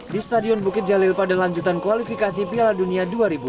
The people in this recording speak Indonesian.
di stadion bukit jalil pada lanjutan kualifikasi piala dunia dua ribu dua puluh